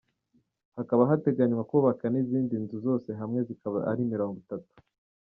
Hakaba hateganywa kubakwa n’izindi nzu, zose hamwe zikazaba ari mirongo itatu.